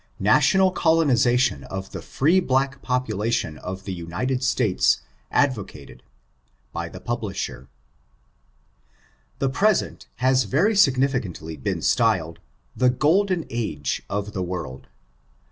BT THB PUBLISHSB. : I I NATIONAL COLONIZATION OF THE FREE BLACK POPULATION OF THE UNITED STATES, ADVOCATED. </ The present has very significantly been sfyled, '^The Golden Age" of the world.